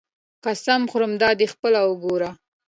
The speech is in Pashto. قسم خورم دادی خپله وګوره.